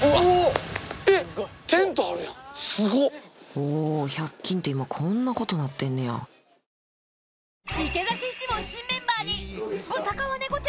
おぉ１００均って今こんなことなってんねやＬｅｏｎａｒｄｏ！